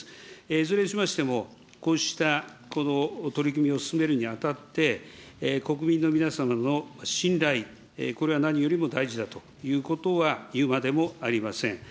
いずれにしましても、こうした取り組みを進めるにあたって、国民の皆様の信頼、これは何よりも大事だということは言うまでもありません。